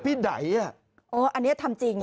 กับพี่ไดเด๋ยอ่ะอันนี้ทำจริงครับ